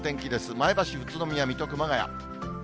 前橋、宇都宮、水戸、熊谷。